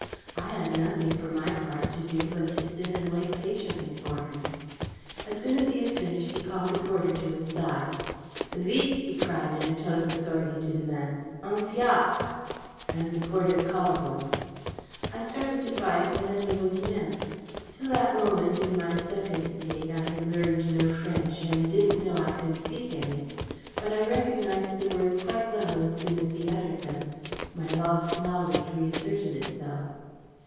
I had nothing, for my part, to do but to sit and wait patiently for him. As soon as he had finished, he called a porter to his side. "Vite!" he cried, in a tone of authority, to the man. "Un fiacre!" And the porter called one. I started to find that I knew what he meant. Till that moment, in my Second State, I had learned no French, and didn't know I could speak any. But I recognised the words quite well as soon as he uttered them. My lost knowledge reasserted itself.